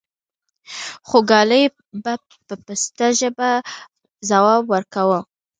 خوګلالۍ به په پسته ژبه ځواب وركا و :